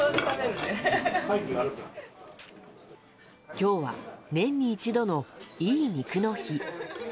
今日は、年に一度のいい肉の日。